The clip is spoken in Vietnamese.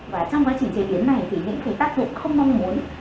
và trong quá trình chế biến này thì những cái tác dụng không mong muốn